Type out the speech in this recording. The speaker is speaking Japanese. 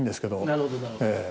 なるほどなるほど。